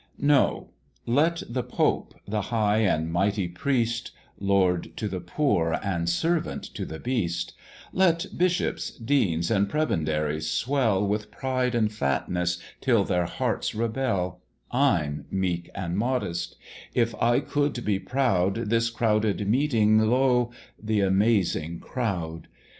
"No; let the Pope, the high and mighty priest, Lord to the poor, and servant to the Beast; Let bishops, deans, and prebendaries swell With pride and fatness till their hearts rebel: I'm meek and modest: if I could be proud, This crowded meeting, lo! th' amazing crowd!